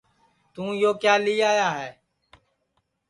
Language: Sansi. توں یو کیا لی آیا ہے